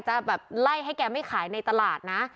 จะแบบไล่ให้แกไม่ขายในตลาดนะ